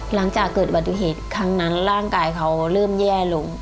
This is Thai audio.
หลังจากเกิดอุบัติเหตุครั้งนั้นร่างกายเขาเริ่มแย่ลง